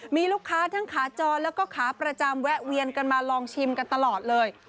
มีลูกค้าทั้งขาจรแล้วก็ขาประจำแวะเวียนกันมาลองชิมกันตลอดเลย